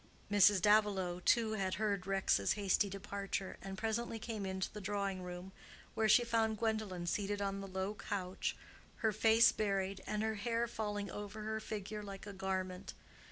Mrs. Davilow, too, had heard Rex's hasty departure, and presently came into the drawing room, where she found Gwendolen seated on the low couch, her face buried, and her hair falling over her figure like a garment.